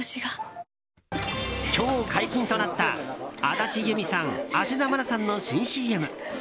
今日解禁となった安達祐実さん、芦田愛菜さんの新ＣＭ。